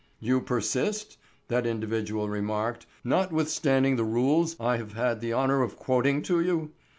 "You persist," that individual remarked, "notwithstanding the rules I have had the honor of quoting to you?